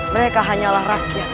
mereka hanyalah rakyat